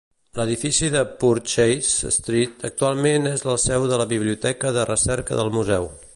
L'edifici de Purchase Street actualment és la seu de la Biblioteca de recerca del museu.